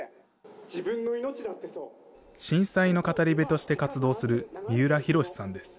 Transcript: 震災の語り部として活動する三浦浩さんです。